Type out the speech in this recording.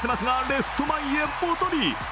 レフト前へ、ぽとり